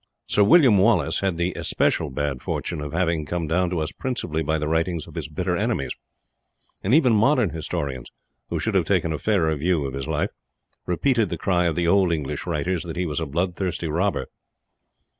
Sir William Wallace had the especial bad fortune of having come down to us principally by the writings of his bitter enemies, and even modern historians, who should have taken a fairer view of his life, repeated the cry of the old English writers that he was a bloodthirsty robber.